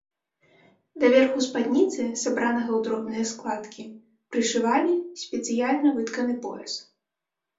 Да верху спадніцы, сабранага ў дробныя складкі, прышывалі спецыяльна вытканы пояс.